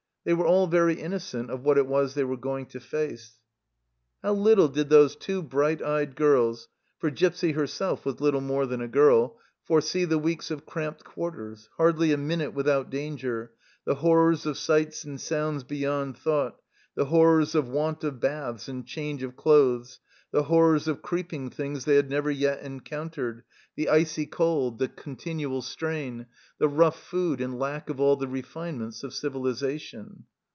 They were all very innocent of what it was they were going to face. How little did those two bright eyed girls for Gipsy herself was little more than a girl foresee the weeks of cramped quarters, hardly a minute without danger, the horrors of sights and sounds beyond thought, the horrors of want of baths and change of clothes, the horrors of creeping things they had never yet encountered, the icy cold, the 12 THE CELLAR HOUSE OF PERVYSE continual strain, the rough food and lack of all the refinements of civilization